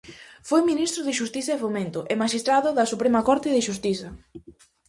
Foi ministro de Xustiza e Fomento e maxistrado da Suprema Corte de Xustiza.